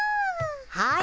はい。